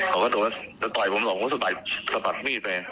เขาก็ต่อยผมต่อสะบัดมีดไป